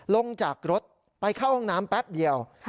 ลงจากรถไปเข้าห้องน้ำแป๊บเดียว